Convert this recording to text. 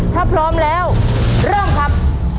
ถ้าพร้อมแล้วเริ่มครับ